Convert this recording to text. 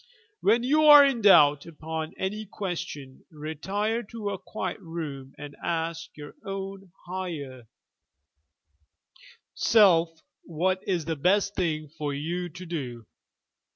When you are in doubt upon any question, retire to a quiet room and ask your own higher self what is the best thing for you to do.